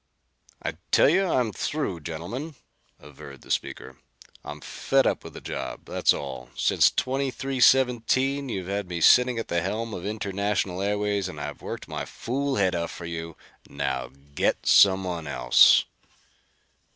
"I tell you I'm through, gentlemen," averred the speaker. "I'm fed up with the job, that's all. Since 2317 you've had me sitting at the helm of International Airways and I've worked my fool head off for you. Now get someone else!"